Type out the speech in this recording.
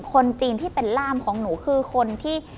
คนจีนที่เป็นร่ามของหนูคือคนที่